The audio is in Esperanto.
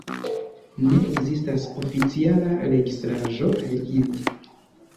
Ne ekzistas oficiala registraĵo de ili.